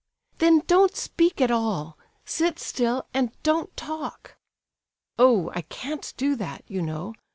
"Then don't speak at all. Sit still and don't talk." "Oh, I can't do that, you know!